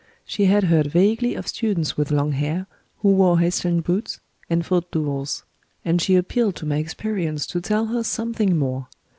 She had heard vaguely of students with long hair, who wore Hessian boots, and fought duels; and she appealed to my experience to tell her something more.